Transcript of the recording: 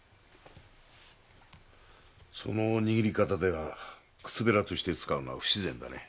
その握り方では靴べらとして使うのは不自然だね。